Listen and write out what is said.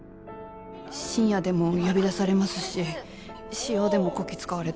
深夜でも呼び出されますし私用でもこき使われて。